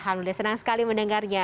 alhamdulillah senang sekali mendengarnya